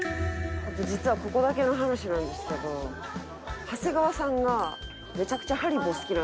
実はここだけの話なんですけど長谷川さんが。